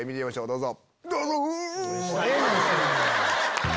どうぞ！